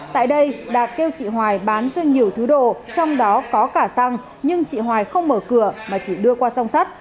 tại đây đạt kêu chị hoài bán cho nhiều thứ đồ trong đó có cả xăng nhưng chị hoài không mở cửa mà chỉ đưa qua song sắt